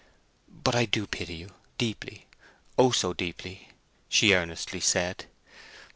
"But I do pity you—deeply—O, so deeply!" she earnestly said.